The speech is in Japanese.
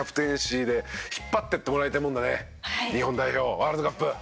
ワールドカップ。